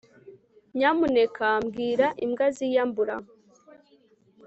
nyamuneka. bwira imbwa ziyambura